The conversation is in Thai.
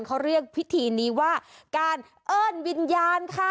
เขาเรียกพิธีนี้ว่าการเอิ้นวิญญาณค่ะ